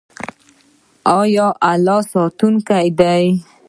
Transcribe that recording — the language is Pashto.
آیا الله ساتونکی دی؟